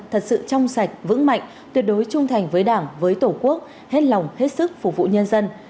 thật sự trong sạch vững mạnh tuyệt đối trung thành với đảng với tổ quốc hết lòng hết sức phục vụ nhân dân